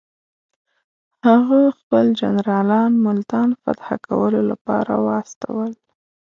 هغه خپل جنرالان ملتان فتح کولو لپاره واستول.